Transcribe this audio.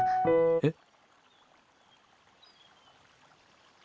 えっ？